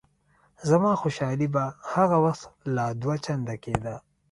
زما خوشحالي به هغه وخت لا دوه چنده کېده.